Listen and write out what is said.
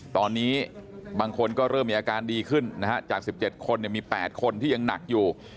ตอนนี้บางคนก็เริ่มมีอาการดีขึ้นนะฮะจาก๑๗คนมี๘คนที่ยังหนักอยู่